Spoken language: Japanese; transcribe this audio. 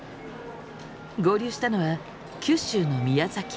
合流したのは九州の宮崎。